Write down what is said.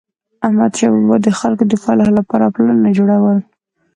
احمدشاه بابا به د خلکو د فلاح لپاره پلانونه جوړول.